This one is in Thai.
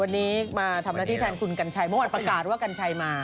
วันนี้มาทำหน้าที่แทนคุณกัญชัยเมื่อวานประกาศว่ากัญชัยมา